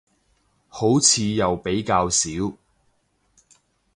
好似又比較少